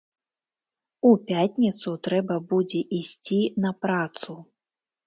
У пятніцу трэба будзе ісці на працу.